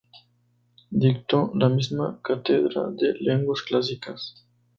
Dictó la misma cátedra de Lenguas Clásicas.